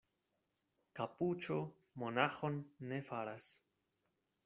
Kapuĉo monaĥon ne faras.